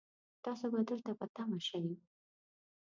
تاسو به دلته په تمه شئ